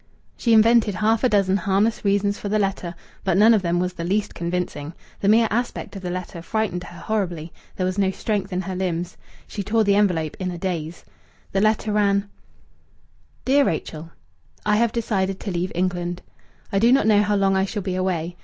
She invented half a dozen harmless reasons for the letter, but none of them was the least convincing. The mere aspect of the letter frightened her horribly. There was no strength in her limbs. She tore the envelope in a daze. The letter ran Dear Rachel, I have decided to leave England. I do not know how long I shall be away.